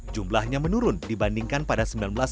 jumlahnya menurun dibandingkan pada